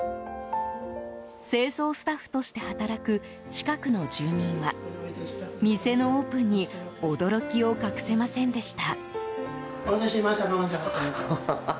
清掃スタッフとして働く近くの住民は店のオープンに驚きを隠せませんでした。